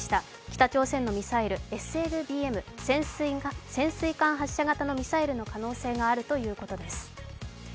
北朝鮮のミサイル、ＳＬＢＭ＝潜水艦発射型のミサイルの可能性があるということです。